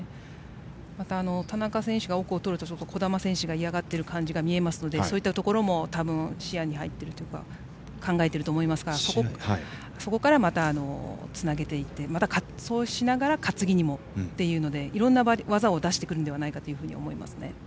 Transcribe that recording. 田中選手が奥をとると児玉選手が嫌がっている感じが見えますのでそういったところも視野に入って考えていると思いますからそこからつなげていってまた、そうしながら担ぎにもというのでいろいろな技を出してくると思いますね。